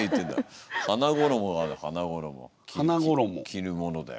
着るものだよ。